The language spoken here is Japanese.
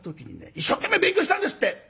一生懸命勉強したんですって。